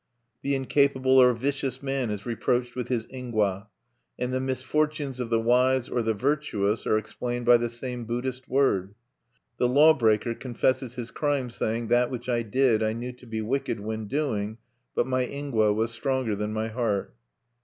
The incapable or vicious man is reproached with his ingwa; and the misfortunes of the wise or the virtuous are explained by the same Buddhist word. The law breaker confesses his crime, saying: "That which I did I knew to be wicked when doing; but my ingwa was stronger than my heart."